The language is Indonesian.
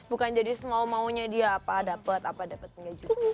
bukan jadi mau maunya dia apa dapet apa dapet gak juga